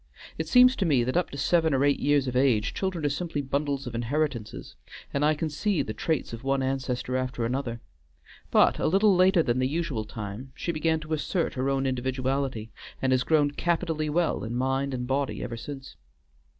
It seems to me that up to seven or eight years of age children are simply bundles of inheritances, and I can see the traits of one ancestor after another; but a little later than the usual time she began to assert her own individuality, and has grown capitally well in mind and body ever since.